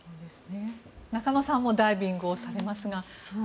中野さんもダイビングをされますが。